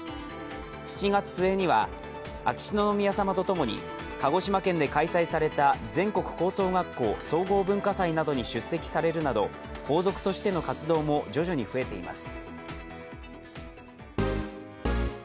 ７月末には、秋篠宮さまとともに鹿児島県で開催された全国高等学校総合文化祭などに出席されるなど皇族としての活動も徐々に増えています。